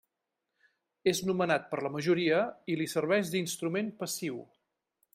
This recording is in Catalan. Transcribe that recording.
És nomenat per la majoria i li serveix d'instrument passiu.